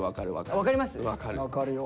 分かるよ。